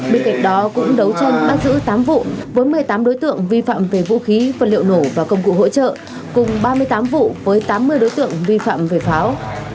bên cạnh đó cũng đấu tranh bắt giữ tám vụ với một mươi tám đối tượng vi phạm về vũ khí vật liệu nổ và công cụ hỗ trợ cùng ba mươi tám vụ với tám mươi đối tượng vi phạm về pháo